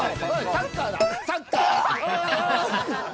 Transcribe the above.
サッカーだ！